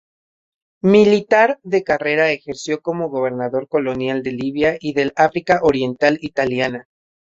Militar de carrera, ejerció como gobernador colonial de Libia y del África Oriental Italiana.